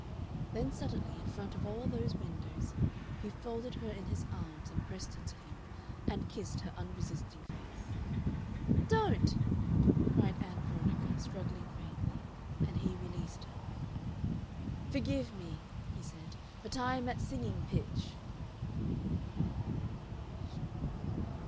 Then suddenly, in front of all those windows, he folded her in his arms and pressed her to him, and kissed her unresisting face. "Don't!" cried Ann Veronica, struggling faintly, and he released her. "Forgive me," he said. "But I am at singing pitch."